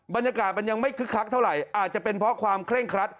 บรรยากาศมันยังไม่คึกคักเท่าไหร่อาจจะเป็นเพราะความเคร่งครัด